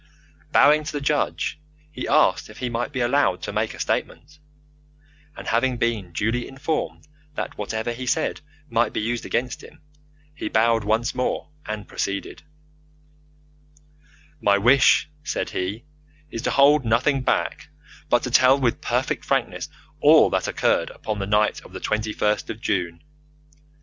Bowing to the judge, he asked if he might be allowed to make a statement, and having been duly informed that whatever he said might be used against him, he bowed once more, and proceeded: "My wish," said he, "is to hold nothing back, but to tell with perfect frankness all that occurred upon the night of the 21st of June.